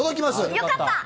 よかった。